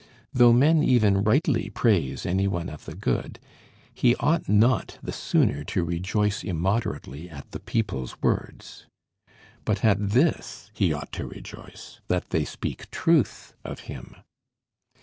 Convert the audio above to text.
Though men even rightly praise any one of the good, he ought not the sooner to rejoice immoderately at the people's words. But at this he ought to rejoice, that they speak truth of him.